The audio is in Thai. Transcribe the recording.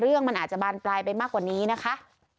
เรื่องมันอาจจะบานปลายไปมากกว่านี้นะคะ